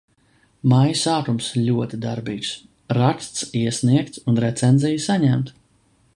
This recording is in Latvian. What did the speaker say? Maija sākums ļoti darbīgs. Raksts iesniegts un recenzija saņemta.